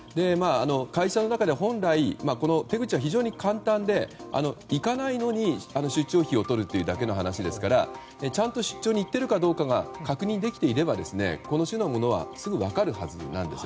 会社の中で本来手口は非常に簡単で行かないのに出張費をとるだけの話なのでちゃんと出張に行っているかどうかが確認できていればこの種のものはすぐ分かるはずです。